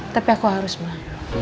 tapi aku harus mah